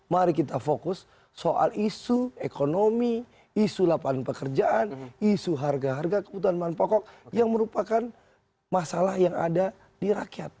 mari kita fokus soal isu ekonomi isu lapangan pekerjaan isu harga harga kebutuhan bahan pokok yang merupakan masalah yang ada di rakyat